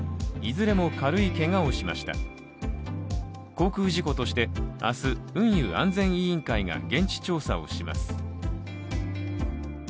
航空事故として明日、運輸安全委員会が現地調査をします。